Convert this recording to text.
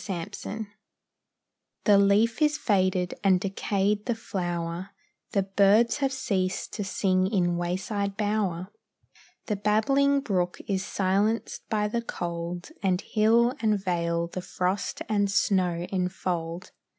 THE REAL The leaf is faded, and decayed the flower, The birds have ceased to sing in wayside bower, The babbling brook is silenced by the cold, And hill and vale the frost and snow enfold.